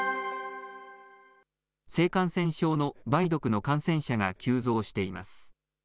性感染症の梅毒の感染者が急増しています。